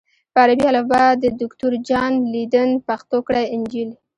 په عربي الفبا د دوکتور جان لیدن پښتو کړی انجیل